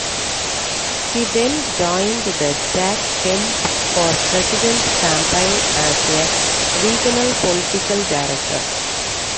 He then joined the Jack Kemp for President campaign as a regional political director.